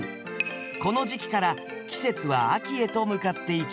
この時期から季節は秋へと向かっていきます。